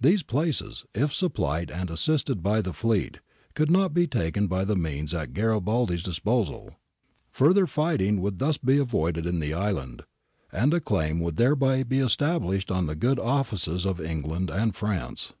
These places, if supplied and assisted by the fleet, could not be taken by the means at Garibaldi's disposal. Further fighting would thus be avoided in the island, and a claim would thereby be established on the good offices of England and France.